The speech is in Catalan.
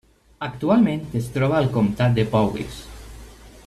Actualment, es troba al comtat de Powys.